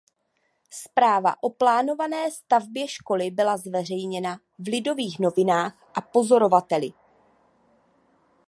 Zpráva o plánované stavbě školy byla zveřejněna v "Lidových novinách" a "Pozorovateli".